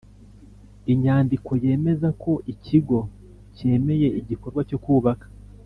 Inyandiko yemeza ko Ikigo cyemeye igikorwa cyo kubaka